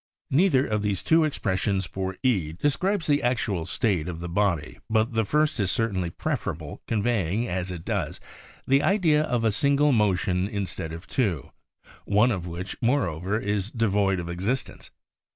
Neither of these two expressions for E describes the actual state of the body but the first is certainly prefer able conveying, as it does, the idea of a single motion instead of two, one of which moreover is devoid of ex istence.